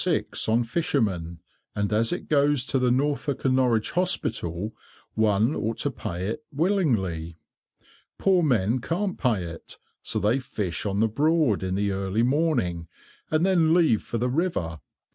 on fishermen, and as it goes to the Norfolk and Norwich Hospital, one ought to pay it willingly. Poor men can't pay it, so they fish on the Broad in the early morning, and then leave for the river.